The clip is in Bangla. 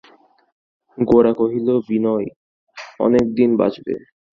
গোরা কহিল, বিনয়, অনেক দিন বাঁচবে।